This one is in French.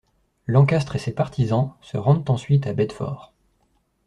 Lancastre et ses partisans se rendent ensuite à Bedford.